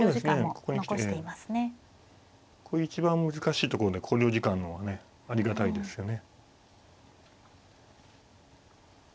こういう一番難しいところで考慮時間があるのはねありがたいですよね。